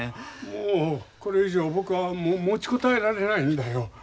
もうこれ以上僕は持ちこたえられないんだよ。